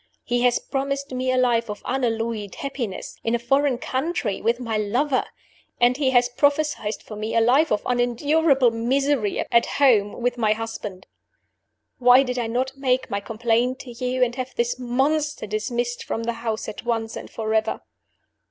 He has promised me a life of unalloyed happiness, in a foreign country with my lover; and he has prophesied for me a life of unendurable misery at home with my husband. "Why did I not make my complaint to you, and have this monster dismissed from the house at once and forever?